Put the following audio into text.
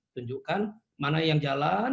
tunjukkan mana yang jalan